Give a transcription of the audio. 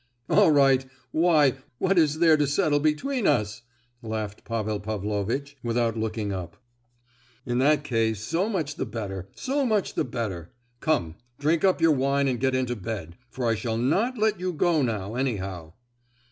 "All right! Why, what is there to settle between us?" laughed Pavel Pavlovitch, without looking up. "In that case, so much the better—so much the better. Come, drink up your wine and get into bed, for I shall not let you go now, anyhow."